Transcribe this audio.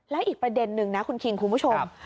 แล้วอีกประเด็นนึงนะคุณคิงคุณผู้ชม